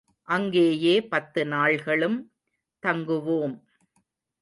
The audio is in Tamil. அங்கேயே பத்து நாள்களும் தங்குவோம்.